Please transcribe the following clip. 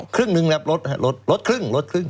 ลดครึ่งลดครึ่งลดครึ่ง